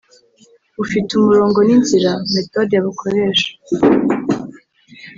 bufite umurongo n’inzira (méthode) bukoresha